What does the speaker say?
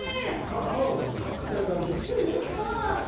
皮は硬い感じ？